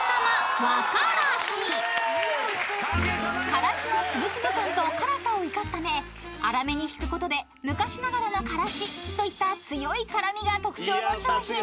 ［からしのつぶつぶ感と辛さを生かすため粗めにひくことで昔ながらのからしといった強い辛味が特徴の商品］